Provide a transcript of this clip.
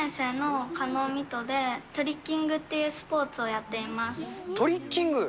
小学６年生の加納弥都で、トリッキングというスポーツをやトリッキング？